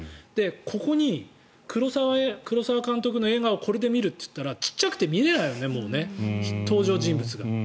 ここに黒澤監督の映画をこれで見るといったら小さくて見れないよね登場人物が。